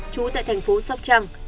trú tại thành phố sóc trăng